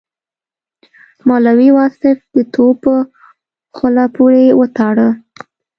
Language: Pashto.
مولوي واصف د توپ په خوله پورې وتاړه.